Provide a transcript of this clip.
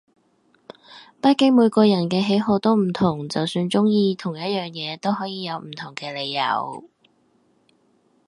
畢竟每個人嘅喜好都唔同，就算中意同一樣嘢都可以有唔同嘅理由